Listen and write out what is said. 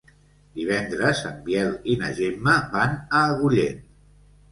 Divendres en Biel i na Gemma van a Agullent.